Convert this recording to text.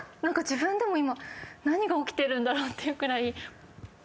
何か自分でも今何が起きてるんだろうっていうくらい。